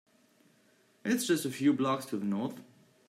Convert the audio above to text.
It’s just a few blocks to the North.